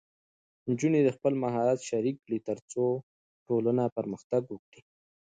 نجونې خپل مهارت شریک کړي، ترڅو ټولنه پرمختګ وکړي.